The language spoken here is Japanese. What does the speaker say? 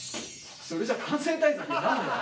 それじゃ感染対策になんねえわ！